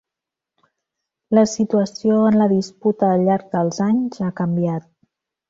La situació en la disputa al llarg dels anys ha canviat.